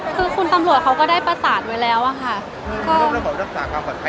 คือคุณตำรวจเขาก็ได้ประสานไว้แล้วอะค่ะ